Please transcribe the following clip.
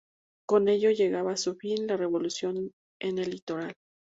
Con eso llegaba a su fin la revolución en el litoral.